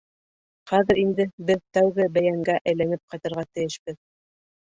Хәҙер инде беҙ тәүге бәйәнгә әйләнеп ҡайтырға тейешбеҙ.